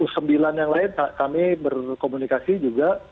sembilan yang lain kami berkomunikasi juga